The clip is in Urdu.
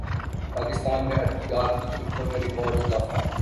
پاکستان میں ادویات کی قیمتوں میں ریکارڈ اضافہ